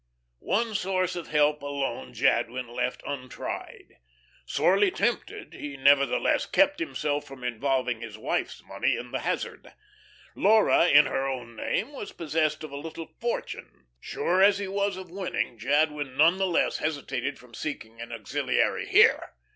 One source of help alone Jadwin left untried. Sorely tempted, he nevertheless kept himself from involving his wife's money in the hazard. Laura, in her own name, was possessed of a little fortune; sure as he was of winning, Jadwin none the less hesitated from seeking an auxiliary here.